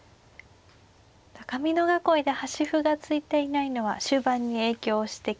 高美濃囲いで端歩が突いていないのは終盤に影響してきそうですね。